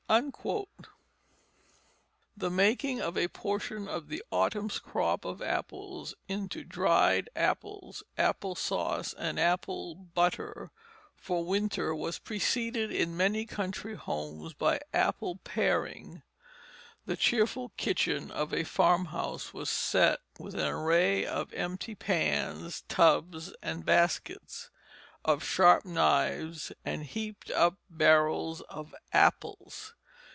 The making of a portion of the autumn's crop of apples into dried apples, apple sauce, and apple butter for winter was preceded in many country homes by an apple paring. The cheerful kitchen of a farmhouse was set with an array of empty pans, tubs, and baskets; of sharp knives and heaped up barrels of apples.